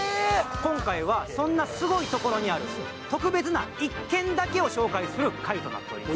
今回はそんなすごいところにある特別な１軒だけを紹介する回となっております。